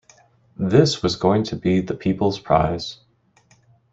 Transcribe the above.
This was going to be the people's prize.